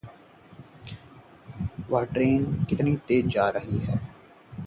वह ट्रेन कितनी तेज़ जा रही है?